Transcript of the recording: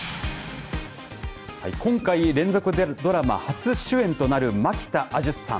今回、連続ドラマ初主演となる蒔田彩珠さん。